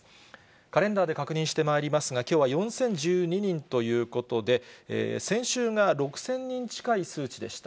カレンダーで確認してまいりますが、きょうは４０１２人ということで、先週が６０００人近い数値でした。